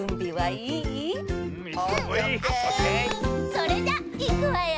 それじゃいくわよ。